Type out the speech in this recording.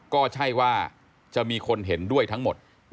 ก็ใช่ว่าจะมีคนเห็นด้วยทั้งหมด